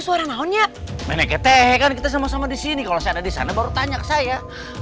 suara naonnya menekete kan kita sama sama disini kalau saya disana baru tanya saya